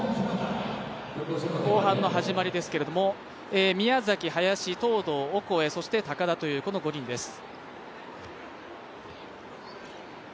後半の始まりですけれども宮崎、林、東藤、オコエ、そして、高田という５人です。